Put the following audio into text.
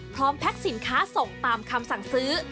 แพ็คสินค้าส่งตามคำสั่งซื้อ